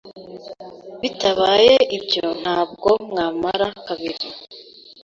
bitabaye ibyo ntabwo mwamara kabiri.